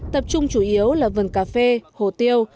tập trung chủ yếu là vườn cà phê hồ tiêu